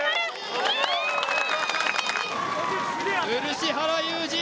漆原裕治